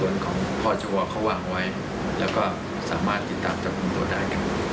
แล้วก็สามารถติดตามจับคุณตัวได้